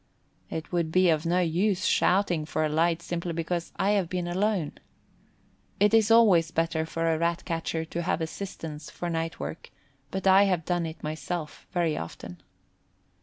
It would be of no use shouting for a light simply because I have been alone. It is always better for a Rat catcher to have assistance for night work, but I have done it myself very often.